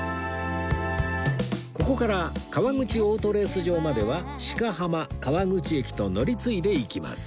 ここから川口オートレース場までは鹿浜川口駅と乗り継いで行きます